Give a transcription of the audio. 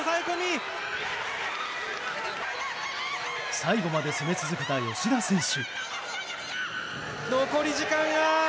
最後まで攻め続けた芳田選手。